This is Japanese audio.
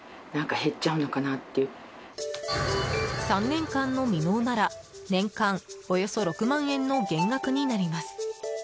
３年間の未納なら年間およそ６万円の減額になります。